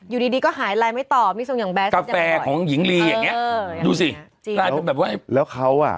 อยู่ดีดีก็หายลายไม่ตอบมีส่วนอย่างแบบกาแฟของหญิงลีอย่างเงี้ยเออดูสิจริงแล้วเขาอ่ะ